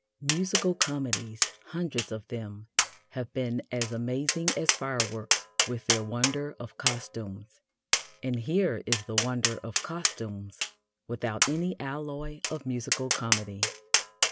Musical comedies, hundreds of them, have been as amazing as fireworks with their wonder of costumes, and here is the wonder of costumes without any alloy of musical comedy.